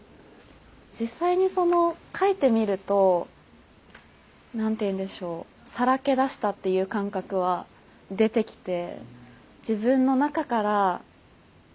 実際にその書いてみると何ていうんでしょうさらけ出したっていう感覚は出てきて自分の中からその体験を出す。